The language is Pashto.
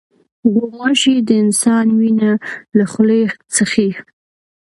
غوماشې د انسان وینه له خولې څښي.